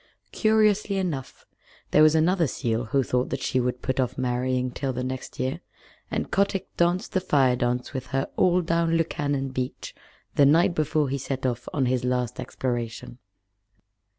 Curiously enough, there was another seal who thought that she would put off marrying till the next year, and Kotick danced the Fire dance with her all down Lukannon Beach the night before he set off on his last exploration.